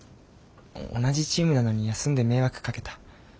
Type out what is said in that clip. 同じチームなのに休んで迷惑かけた。